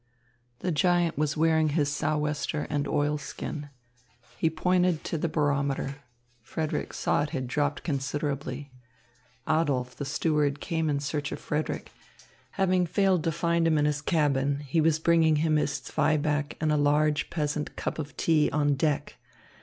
The giant was wearing his sou'wester and oilskin. He pointed to the barometer. Frederick saw it had dropped considerably. Adolph, the steward, came in search of Frederick. Having failed to find him in his cabin, he was bringing him his zwieback and large peasant cup of tea on deck.